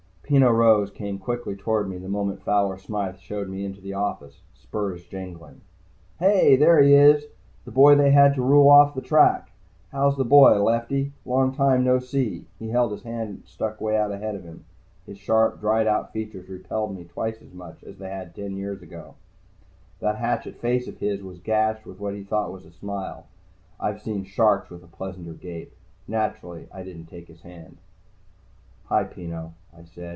Peno Rose came quickly toward me the moment Fowler Smythe showed me into the office, spurs jingling. "Hey! There he is! The boy they had to rule off the track! How's a boy, Lefty? Long time no see." He had his hand stuck way out ahead of him. His sharp, dried out features repelled me twice as much as they had ten years before. That hatchet face of his was gashed with what he thought was a smile. I've seen sharks with a pleasanter gape. Naturally, I didn't take his hand. "Hi, Peno," I said.